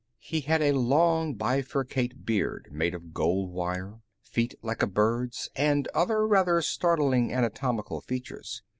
He had a long bifurcate beard made of gold wire, feet like a bird's, and other rather startling anatomical features.